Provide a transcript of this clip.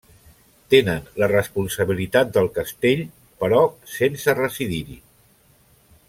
Tenen la responsabilitat del castell, però sense residir-hi.